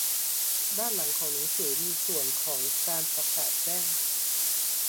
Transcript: ด้านหลังของหนังสือมีส่วนของการประกาศแจ้ง